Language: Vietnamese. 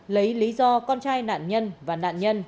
lấy lý do con trai nạn nhân và nạn nhân